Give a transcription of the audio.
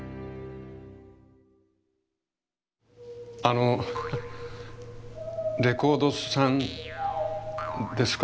あのレコードさんですか？